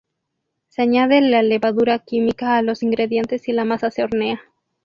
Se añade la levadura química a los ingredientes y la masa se hornea.